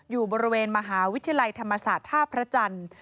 อยู่บริเวณมหาวิทยาลัยธรรมศาสตร์ท่าพระจันทร์